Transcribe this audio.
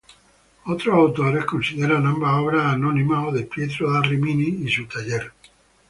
Otros autores consideran ambas obras anónimas o de Pietro da Rimini y su taller.